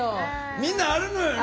みんなあるのよね。